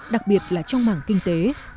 đặc biệt là trong mảng kinh tế